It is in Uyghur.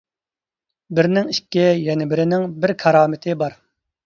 بىرىنىڭ ئىككى، يەنە بىرىنىڭ بىر «كارامىتى» بار.